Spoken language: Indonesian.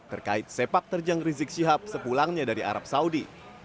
terkait sepak terjang rizik syihab sepulangnya dari arab saudi